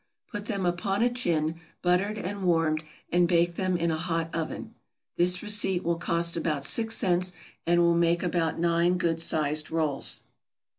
Put them upon a tin, buttered and warmed, and bake them in a hot oven. This receipt will cost about six cents, and will make about nine good sized rolls.